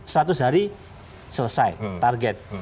satu sehari selesai target